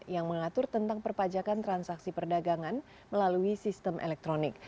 yang mengatur tentang perpajakan transaksi perdagangan melalui sistem elektronik